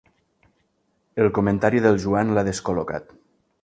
El comentari del Joan l'ha descol·locat.